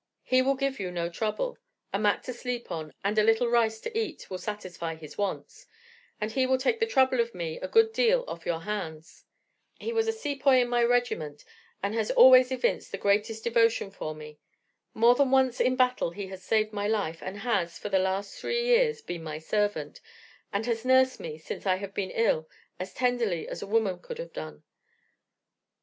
He will give you no trouble a mat to sleep on, and a little rice to eat, will satisfy his wants; and he will take the trouble of me a good deal off your hands. He was a Sepoy in my regiment, and has always evinced the greatest devotion for me. More than once in battle he has saved my life, and has, for the last three years, been my servant, and has nursed me since I have been ill as tenderly as a woman could have done.